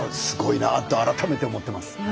すごいなと改めて思ってます。